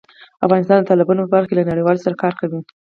افغانستان د تالابونو په برخه کې له نړیوالو سره کار کوي.